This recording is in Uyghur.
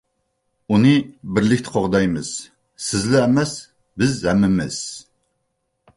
-ئۇنى بىرلىكتە قوغدايمىز. سىزلا ئەمەس، بىز ھەممىمىز!